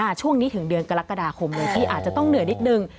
ช่วงนี้ถึงเดือนกรกฎาคมเลยที่อาจจะต้องเหนื่อยนิดนึง